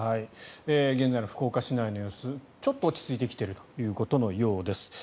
現在の福岡市内の様子ちょっと落ち着いてきているということのようです。